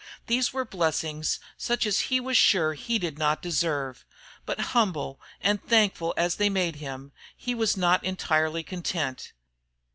These were blessings such as he was sure he did not deserve, but humble and thankful as they made him, he was not entirely content.